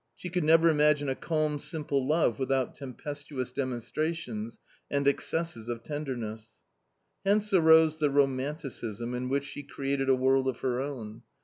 I She could never imagine a calm simple love without tem pestuous demonstrations and excesses of tenderness. Hence arose the romanticism, in which she created a world of her own.